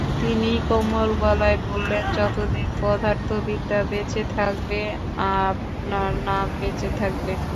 তিনি কোমল গলায় বললেন, যতদিন পদার্থবিদ্যা বেঁচে থাকবে আপনার নাম বেঁচে থাকবে।